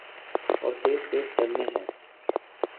اور تیر تیز چلنے ہیں۔